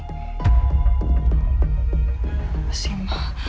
apa sih ma